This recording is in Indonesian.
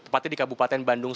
tepatnya di kabupaten bandung